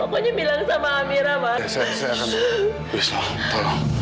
pokoknya bilang sama amira mas